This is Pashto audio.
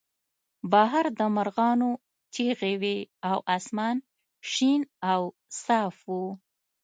بهر د مرغانو چغې وې او اسمان شین او صاف و